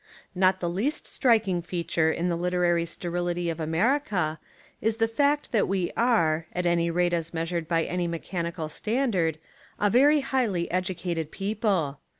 Not the least striking feature in the literary sterility of America is the fact that we are, at any rate as measured by any mechanical standard, a very highly educated people.